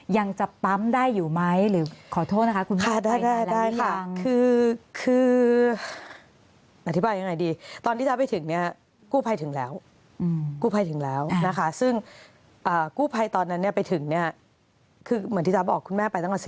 ยังจะปั๊มได้อยู่ไหม